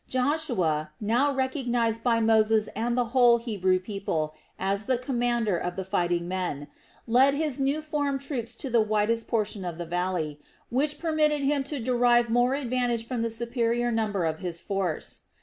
Joshua, now recognized by Moses and the whole Hebrew people as the commander of the fighting men, led his new formed troops to the widest portion of the valley, which permitted him to derive more advantage from the superior number of his force.